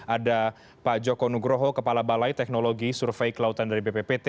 ada pak joko nugroho kepala balai teknologi survei kelautan dari bppt